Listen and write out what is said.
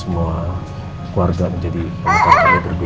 semua keluarga menjadi perempuan yang terdua